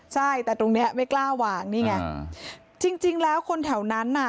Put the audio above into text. ใช่แต่ตรงเนี้ยไม่กล้าวางนี่ไงจริงจริงแล้วคนแถวนั้นน่ะ